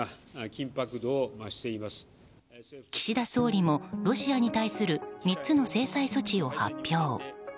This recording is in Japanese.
岸田総理も、ロシアに対する３つの制裁措置を発表。